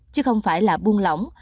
chứ không phải là buôn lỏng